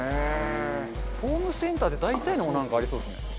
ホームセンターで大体のものありそうですね。